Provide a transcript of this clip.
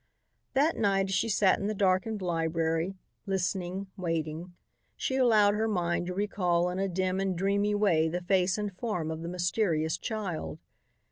That night as she sat in the darkened library, listening, waiting, she allowed her mind to recall in a dim and dreamy way the face and form of the mysterious child.